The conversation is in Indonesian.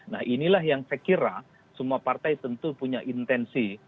nah inilah yang saya kira semua partai tentu punya intensi